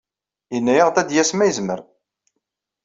Yenna-aɣ-d ad d-yas ma yezmer.